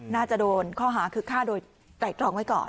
น่าจะโดนข้อหาคือฆ่าโดยไตรตรองไว้ก่อน